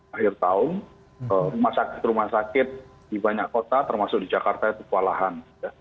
akhir tahun rumah sakit rumah sakit di banyak kota termasuk di jakarta itu kualahan